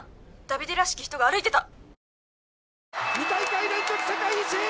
ダビデらしき人が歩いてた！